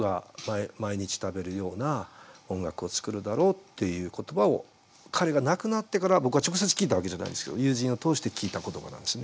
っていう言葉を彼が亡くなってから僕は直接聞いたわけじゃないんですけど友人を通して聞いた言葉なんですね。